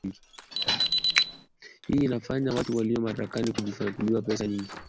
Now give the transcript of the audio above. Hii inafanya watu walio madarakani kujinyakulia pesa nyingi